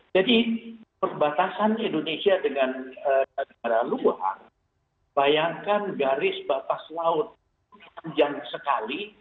jadi perbatasan indonesia dengan negara luar bayangkan garis batas laut panjang sekali